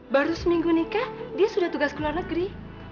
baru seminggu nikah dia sudah tugas keluar negeri